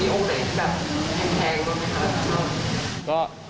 มีองค์ใดที่แบบแพงบ้างไหมครับ